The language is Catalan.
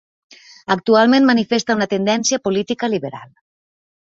Actualment manifesta una tendència política liberal.